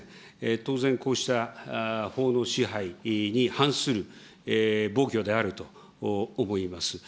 当然、こうした法の支配に反する暴挙であると思います。